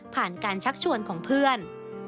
ผ่านการชักชวนของเพื่อน